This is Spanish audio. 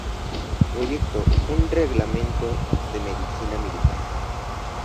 Proyectó un Reglamento de Medicina Militar.